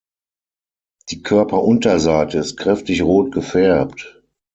Die Körperunterseite ist kräftig rot gefärbt.